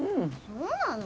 そうなの？